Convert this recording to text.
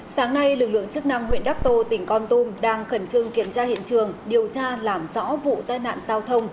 sáng nay lực lượng chức năng huyện đắc tô tỉnh con tum đang khẩn trương kiểm tra hiện trường điều tra làm rõ vụ tai nạn giao thông